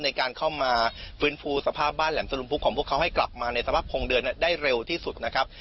ในการเข้ามาฟื้นฟูสภาพบ้านแหลมสลุมพุกของพวกเขาให้กลับมาในสภาพคงเดินได้เร็วที่สุดนะครับ